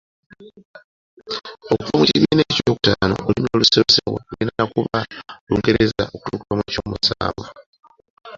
Okuva ku kibiina ekyokutaano Olulmi olusomesebwamu lulina kuba Lungereza okutuuka mu kyomusanvu.